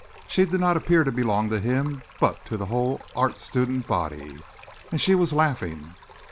She did not appear to belong to him, but to the whole art student body. And she was laughing.